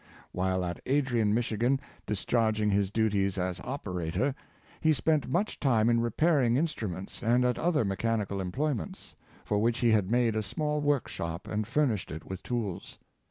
While at Adrian, Mich., discharging his duties as operator, he spent much time in repairing instruments and at other mechanical employments, for which he had made a small workshop and furnished it with tools.